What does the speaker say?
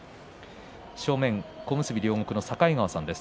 正面、小結両国の境川さんです。